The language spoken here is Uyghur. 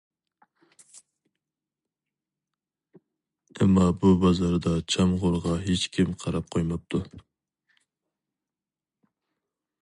ئەمما بۇ بازاردا چامغۇرغا ھېچكىم قاراپ قويماپتۇ.